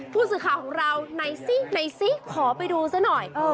ผู้สื่อข่าวของเราไหนสิขอไปดูซะหน่อยเออ